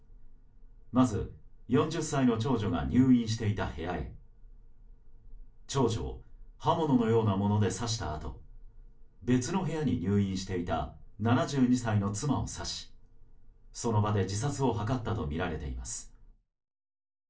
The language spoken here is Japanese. まず４０歳の長女が入院していた部屋へ長女を刃物のようなもので刺したあと別の部屋に入院していた７２歳の妻を刺しその場で自殺を図ったとみられています。